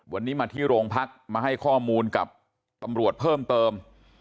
วันนี้มาที่โรงพักมาให้ข้อมูลกับตำรวจเพิ่มเติม